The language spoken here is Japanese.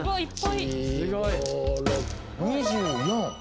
２４！